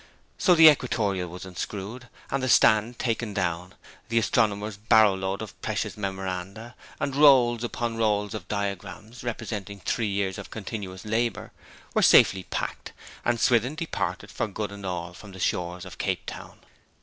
So the equatorial was unscrewed, and the stand taken down; the astronomer's barrow load of precious memoranda, and rolls upon rolls of diagrams, representing three years of continuous labour, were safely packed; and Swithin departed for good and all from the shores of Cape Town.